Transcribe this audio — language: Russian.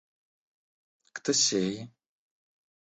Кто сей?